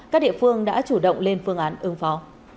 các địa phương đã chủ động lên phương án ứng phó